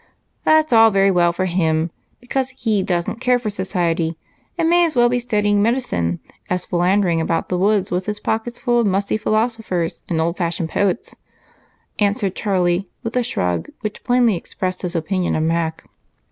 "That's all very well for him, because he doesn't care for society and may as well be studying medicine as philandering about the woods with his pockets full of musty philosophers and old fashioned poets," answered Charlie with a shrug which plainly expressed his opinion of Mac.